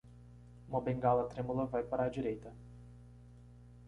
Uma bengala trêmula vai para a direita.